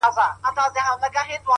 پرلپسې هڅه خنډونه کمزوري کوي,